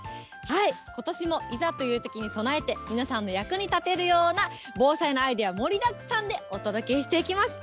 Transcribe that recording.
ことしもいざというときに備えて、皆さんの役に立てるような防災のアイデア盛りだくさんでお届けしていきます。